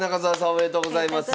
おめでとうございます。